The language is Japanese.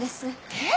えっ！？